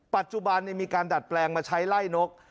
ปัจจุบันมีการดัดแปลงมาใช้ไล่นก